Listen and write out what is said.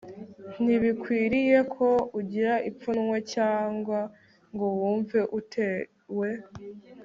Ntibikwiriye ko ugira ipfunwe cyangwa ngo wumve utewe